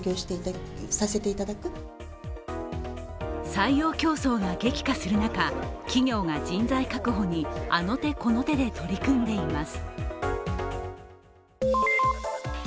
採用競争が激化する中、企業が人材確保にあの手この手で取り組んでいます。